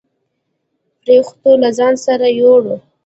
پرښتو له ځان سره يووړ.